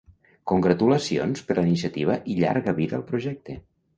Congratulacions per la iniciativa i llarga vida al projecte.